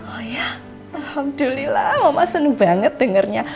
oh ya alhamdulillah mama senang banget dengarnya